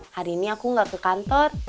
hari ini aku nggak ke kantor